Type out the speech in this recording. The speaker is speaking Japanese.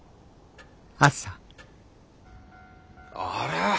あれ？